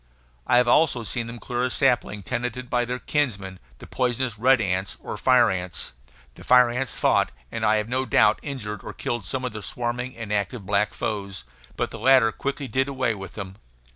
I have also seen them clear a sapling tenanted by their kinsmen, the poisonous red ants, or fire ants; the fire ants fought and I have no doubt injured or killed some of their swarming and active black foes; but the latter quickly did away with them.